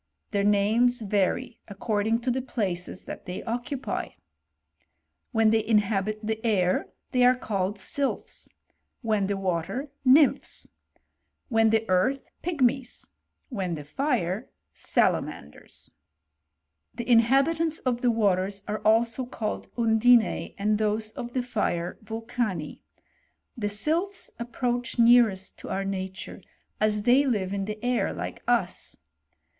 Their names vary according to the places that they occupy. When they inhabit the air, they are called sylphs; when the water, nymphs; when the earA!/ pigmies; when the fire, salamanders, f The inha^ bitants of the waters are also called undinte, and thomi of the fire vulcanu The sylphs approach nearest ttf, our nature, as they live in the air like us.